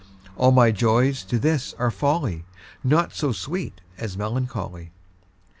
All my joys to this are folly, Naught so sweet as melancholy.